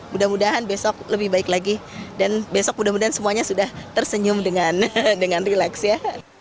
mudah mudahan besok lebih baik lagi dan besok mudah mudahan semuanya sudah tersenyum dengan relax ya